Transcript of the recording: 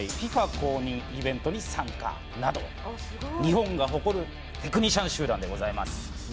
公認イベントに参加など日本が誇るテクニシャン集団でございます。